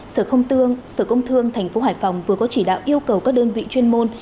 sở công thương tp hải phòng vừa có chỉ đạo yêu cầu các đơn vị chuyên môn